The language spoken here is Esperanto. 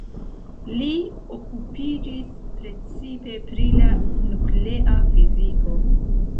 Li okupiĝis precipe pri la nuklea fiziko.